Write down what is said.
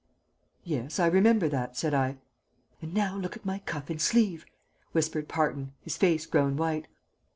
"Yes, I remember that," said I. "And now look at my cuff and sleeve!" whispered Parton, his face grown white.